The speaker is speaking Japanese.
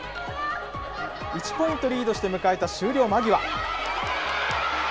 １ポイントリードして迎えた終了間際。